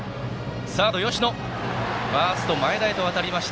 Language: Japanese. サード、吉野からファースト、前田へとわたりました。